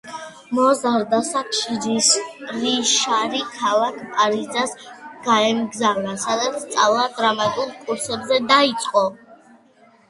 მოზარდ ასაკში რიშარი ქალაქ პარიზს გაემგზავრა, სადაც სწავლა დრამატულ კურსებზე დაიწყო.